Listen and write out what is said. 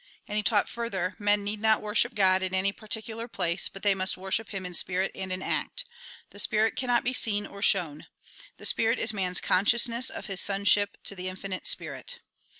And he taught, further :" Men need not worship God in any particular place, but they must worship Him in spirit and in act. The spirit cannot be seen or shown. The spirit is man's consciousness of his sonship to the Infinite Spirit.